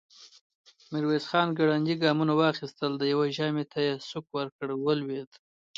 ميرويس خان ګړندي ګامونه واخيستل، د يوه ژامې ته يې سوک ورکړ، ولوېد.